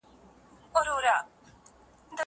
زه اوس لوبه کوم!!